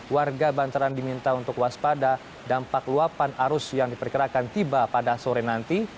warga bantaran diminta untuk waspada dampak luapan arus yang diperkirakan tiba pada sore nanti